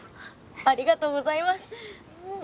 ありがとうございますうん。